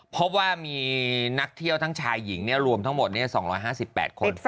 พบว่ามีนักเที่ยวทั้งชายหญิงรวมทั้งหมด๒๕๘คน